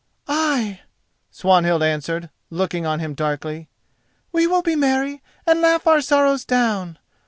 "Ay," Swanhild answered, looking on him darkly, "we will be merry and laugh our sorrows down.